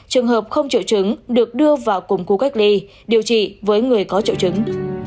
trường hợp không triệu chứng được đưa vào củng cú cách ly điều trị với người có triệu chứng